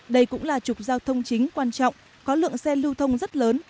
đây cũng là trục giao thông chính quan trọng có lượng xe lưu thông rất lớn